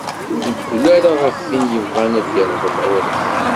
Ur reggel ara ɣef win yebɣan ad d-irḍel ɣur-k.